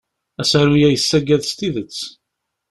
Asaru-a yessagad s tidet.